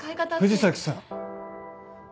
藤崎さん。